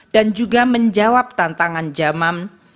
dan juga menjawab tantangan zaman